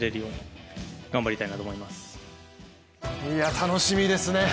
楽しみですね。